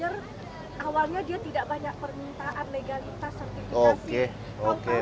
dari buyer awalnya dia tidak banyak permintaan legalitas sertifikasi